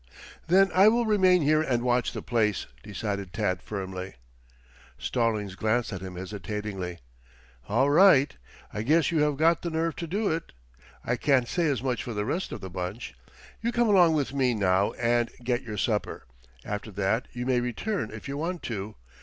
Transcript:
"Then I will remain here and watch the place," decided Tad firmly. Stallings glanced at him hesitatingly. "All right. I guess you have got the nerve to do it. I can't say as much for the rest of the bunch. You come along with me, now, and get your supper. After that you may return if you want to.